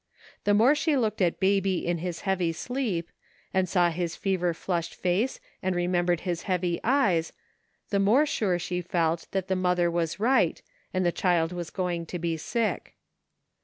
The more she looked at Baby in his heavy sleep, and saw his fever flushed face and remembered his heavy eyes, the more sure she felt that the mother was right, and the child was going to be sick.